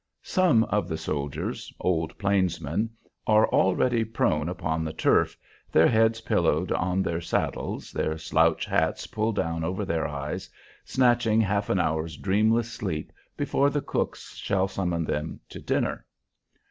Some of the soldiers old plainsmen are already prone upon the turf, their heads pillowed on their saddles, their slouch hats pulled down over their eyes, snatching half an hour's dreamless sleep before the cooks shall summon them to dinner.